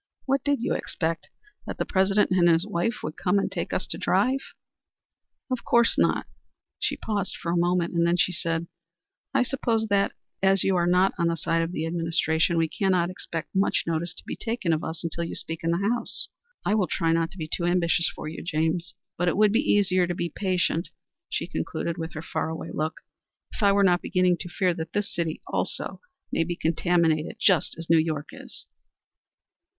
What did you expect? That the President and his wife would come and take us to drive?" "Of course not." She paused a moment, then she said: "I suppose that, as you are not on the side of the administration, we cannot expect much notice to be taken of us until you speak in the House. I will try not to be too ambitious for you, James; but it would be easier to be patient," she concluded, with her far away look, "if I were not beginning to fear that this city also may be contaminated just as New York is."